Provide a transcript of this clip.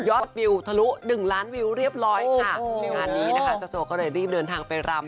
วิวทะลุหนึ่งล้านวิวเรียบร้อยค่ะในงานนี้นะคะเจ้าตัวก็เลยรีบเดินทางไปรำ